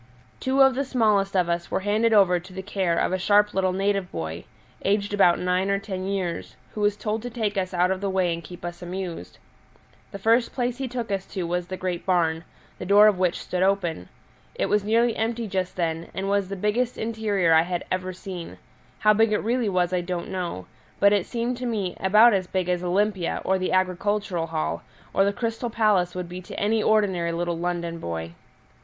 Two of the smallest of us were handed over to the care of a sharp little native boy, aged about nine or ten years, who was told to take us out of the way and keep us amused. The first place he took us to was the great barn, the door of which stood open; it was nearly empty just then, and was the biggest interior I had ever seen; how big it really was I don't know, but it seemed to me about as big as Olympia or the Agricultural Hall, or the Crystal Palace would be to any ordinary little London boy.